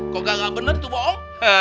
kok gak bener tuh bohong